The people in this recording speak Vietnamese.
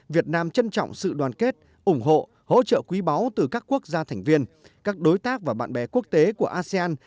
việt nam trân trọng sự đoàn kết ủng hộ hỗ trợ quý báu từ các quốc gia thành viên các đối tác và bạn bè quốc tế của asean